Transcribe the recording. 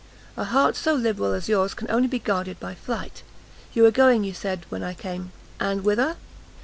A heart so liberal as yours can only be guarded by flight. You were going, you said, when I came, and whither?"